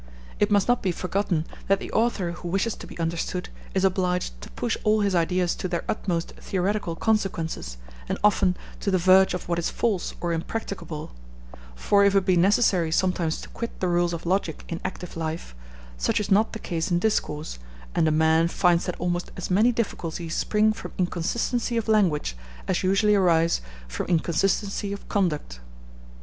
It must not be forgotten that the author who wishes to be understood is obliged to push all his ideas to their utmost theoretical consequences, and often to the verge of what is false or impracticable; for if it be necessary sometimes to quit the rules of logic in active life, such is not the case in discourse, and a man finds that almost as many difficulties spring from inconsistency of language as usually arise from inconsistency of conduct.